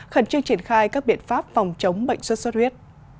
khẩn trương triển khai các biện pháp phòng chống bệnh sốt xuất huyết